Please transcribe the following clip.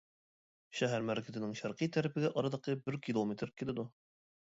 شەھەر مەركىزىنىڭ شەرقىي تەرىپىگە ئارىلىقى بىر كىلومېتىر كېلىدۇ.